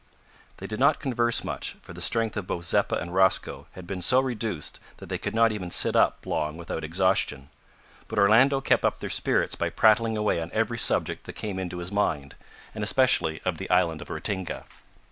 They did not converse much, for the strength of both Zeppa and Rosco had been so reduced that they could not even sit up long without exhaustion, but Orlando kept up their spirits by prattling away on every subject that came into his mind and especially of the island of Ratinga.